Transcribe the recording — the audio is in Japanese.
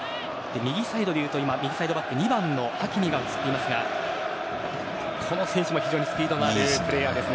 右サイドで言うと右サイドバック２番のハキミが映っていますがこの選手も非常にスピードあるプレーヤーです。